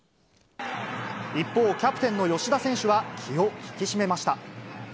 一方、キャプテンの吉田選手は気を引き締めました。